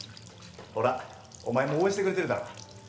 ほらお前も応援してくれてるだろ。